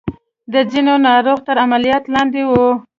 د ځينو ناروغ تر عملياتو لاندې وو.